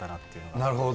なるほど。